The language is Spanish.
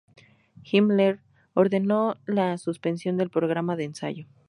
Himmler ordenó la suspensión del programa de ensayo.